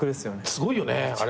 すごいよねあれ。